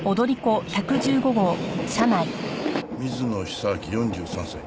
水野久明４３歳。